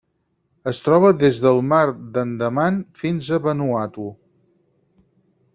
Es troba des del Mar d'Andaman fins a Vanuatu.